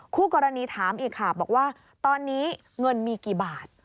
คู่กรณีถามอีกค่ะบอกว่าตอนนี้เงินมีกี่บาท